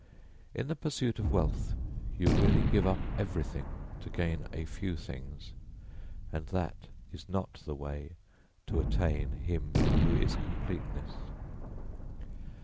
In the pursuit of wealth you really give up everything to gain a few things, and that is not the way to attain him who is completeness.